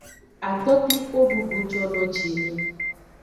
Atokliko dudu jono ji ni.